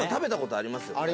ありますよ。